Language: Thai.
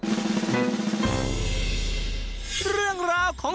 วิธีแบบไหนไปดูกันเล็ก